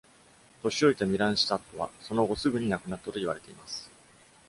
年老いたミランシタッドは、その後すぐに亡くなったと言われています。